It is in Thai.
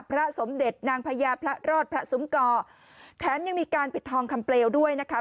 พระสมเด็จนางพญาพระรอดพระซุ้มก่อแถมยังมีการปิดทองคำเปลวด้วยนะคะ